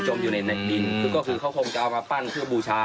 อยู่ในดินก็คือเขาคงจะเอามาปั้นเพื่อบูชา